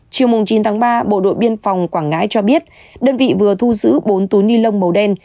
chiều chín tháng ba bộ đội biên phòng quảng ngãi cho biết đơn vị vừa thu giữ bốn túi ni lông màu đen